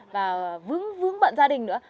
và vướng vướng bận gia đình nữa